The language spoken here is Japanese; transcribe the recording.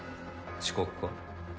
遅刻か？